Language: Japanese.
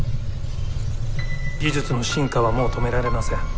技術の進化はもう止められません。